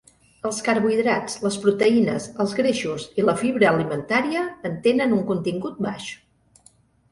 Els carbohidrats, les proteïnes, els greixos i la fibra alimentària en tenen un contingut baix.